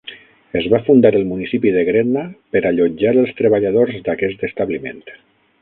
Es va fundar el municipi de Gretna per allotjar els treballadors d'aquest establiment.